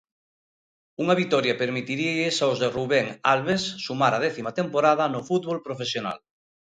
Unha vitoria permitiríalles aos de Rubén Albés sumar a décima temporada no fútbol profesional.